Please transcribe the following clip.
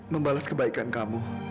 membalas kebaikan kamu